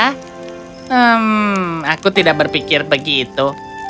hmm aku tidak berpikir begitu